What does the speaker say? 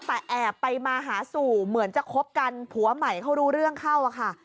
แต่แอบไปมาหาสู่เหมือนจะคบกันผัวใหม่เขารู้เรื่องเข้าอะค่ะ